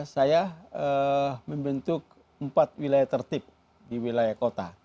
saya membentuk empat wilayah tertib di wilayah kota